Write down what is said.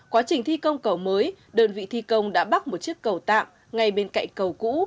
quá trình thi công cầu mới đơn vị thi công đã bắt một chiếc cầu tạm ngay bên cạnh cầu cũ